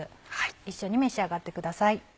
一緒に召し上がってください。